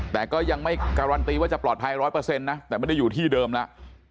แต่ก็ยังไม่การันตีว่าจะปลอดภัยร้อยเปอร์เซ็นต์นะแต่ไม่ได้อยู่ที่เดิมละ